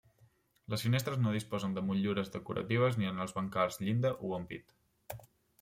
Les finestres no disposen de motllures decoratives ni en els brancals, llinda o ampit.